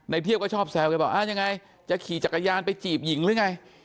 เทียบก็ชอบแซวกันบอกอ่ายังไงจะขี่จักรยานไปจีบหญิงหรือไง